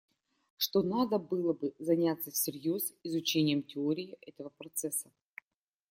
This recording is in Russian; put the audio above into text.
Что надо было бы заняться всерьез изучением теории этого процесса.